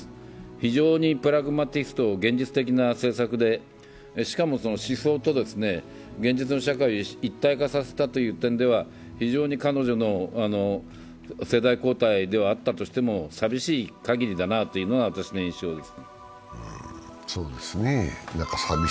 非常にプラグマティスト、現実的な政策でしかも思想と現実の社会を一体化させたという点では非常に彼女の世代交代ではあったとしても寂しいかぎりだなというのが私の印象です。